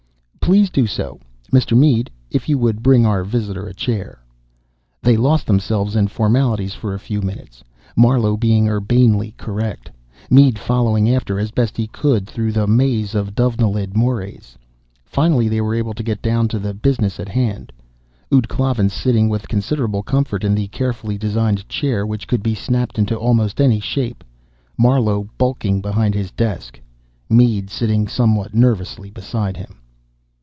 "Please do so. Mr. Mead, if you would bring our visitor a chair " They lost themselves in formalities for a few minutes, Marlowe being urbanely correct, Mead following after as best he could through the maze of Dovenilid morés. Finally they were able to get down to the business at hand, ud Klavan sitting with considerable comfort in the carefully designed chair which could be snapped into almost any shape, Marlowe bulking behind his desk, Mead sitting somewhat nervously beside him.